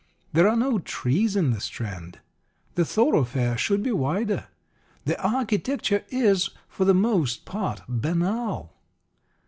There are no trees in the Strand. The thoroughfare should be wider. The architecture is, for the most part, banal.